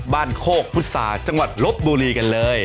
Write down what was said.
บ้านโคกพุทธศาสตร์จังหวัดลบบุรีกันเลย